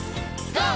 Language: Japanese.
ＧＯ！